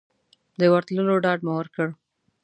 د ورتلو ډاډ مو ورکړ.